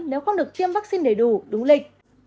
nếu không được tiêm vaccine đầy đủ đúng lịch